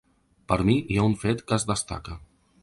Per mi, hi ha un fet que es destaca.